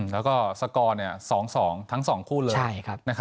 แล้วก็สกอร์เนี่ย๒๒ทั้งสองคู่เรือ